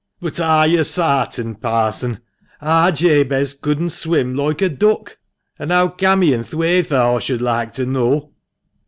" But are yo' sartain, Parson ? Ar Jabez couldn swim loike a duck. An' how cam' he i' th' wayther, aw shouldn loike to know?"